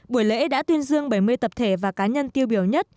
buổi lễ đã tuyên dương bảy mươi tập thể và cá nhân tiêu biểu nhất